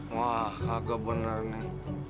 wah kagak bener nih